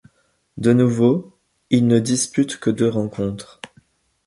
De nouveau, il ne dispute que deux rencontres.